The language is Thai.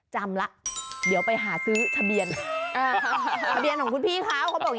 พญานาคจะนำโชคลาภเรื่องนี้บุกราฮะ